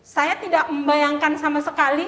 saya tidak membayangkan sama sekali